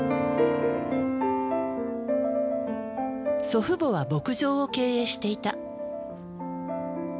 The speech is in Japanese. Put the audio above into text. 祖父母は牧場を経営していた。